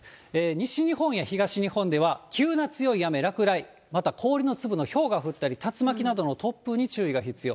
西日本や東日本では、急な強い雨、落雷、また氷の粒のひょうが降ったり、竜巻などの突風に注意が必要。